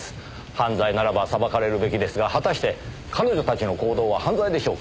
犯罪ならば裁かれるべきですが果たして彼女たちの行動は犯罪でしょうか？